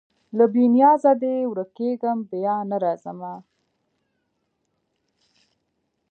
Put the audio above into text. له بې نیازیه دي ورکېږمه بیا نه راځمه